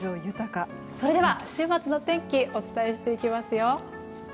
それでは週末の天気お伝えしていきますよ。